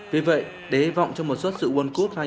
vì vậy để hế vọng cho một suất sự world cup hai nghìn một mươi tám